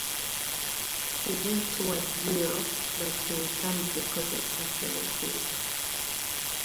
He then toured Europe, but he returned because of arthritis.